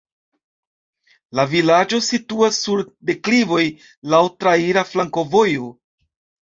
La vilaĝo situas sur deklivoj, laŭ traira flankovojo.